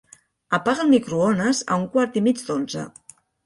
Apaga el microones a un quart i mig d'onze.